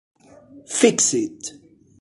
Fix It".